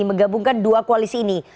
menggabungkan dua koalisi ini